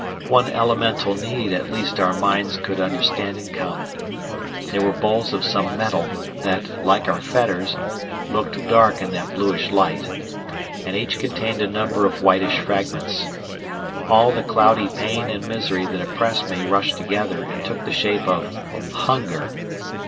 One elemental need at least our minds could understand in common. They were bowls of some metal that, like our fetters, looked dark in that bluish light; and each contained a number of whitish fragments. All the cloudy pain and misery that oppressed me rushed together and took the shape of hunger.